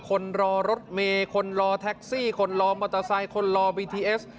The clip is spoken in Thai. คนรอรถเมย์คนรอแท็กซี่คนรอมอเตอร์ไซค์คนรอบีทีเอส